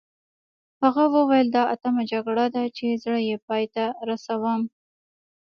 هغه وویل دا اتمه جګړه ده چې زه یې پای ته رسوم.